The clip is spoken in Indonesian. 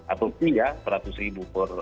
atau seratus ribu